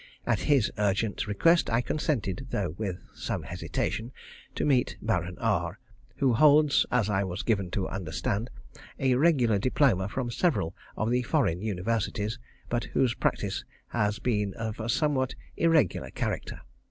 At his urgent request I consented, though with some hesitation, to meet Baron R, who holds, as I was given to understand, a regular diploma from several of the foreign Universities, but whose practice has been of a somewhat irregular character.